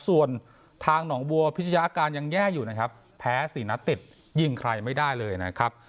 ส่วนทางหนองบัวพิชยาอาการยังแย่อยู่นะครับแพ้๔นัดติดยิงใครไม่ได้เลยนะครับ